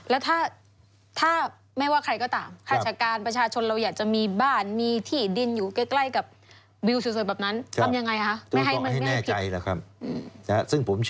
แล้วถ้าไม่ว่าใครก็ตามขาชการประชาชน